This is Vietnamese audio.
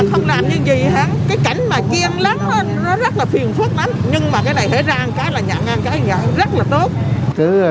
nhưng mà cái này hãy ra một cái là nhạc ngang cái là nhạc ngang rất là tốt